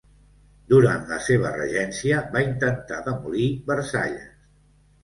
Durant la seva regència, va intentar demolir Versalles.